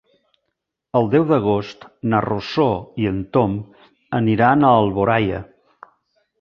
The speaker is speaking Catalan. El deu d'agost na Rosó i en Tom aniran a Alboraia.